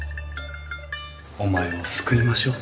お前を救いましょう。